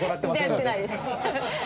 やってないです。